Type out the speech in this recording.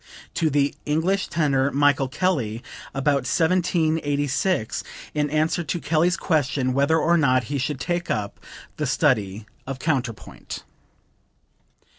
'" (To the English tenor Michael Kelly, about 1786, in answer to Kelly's question whether or not he should take up the study of counterpoint.)